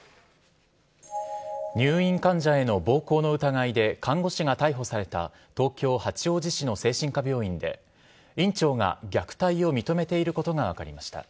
入院患者への暴行の疑いで、看護師が逮捕された東京・八王子市の精神科病院で、院長が虐待を認めていることが分かりました。